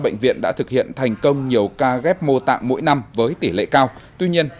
bệnh viện đã thực hiện thành công nhiều ca ghép mô tạng mỗi năm với tỷ lệ cao tuy nhiên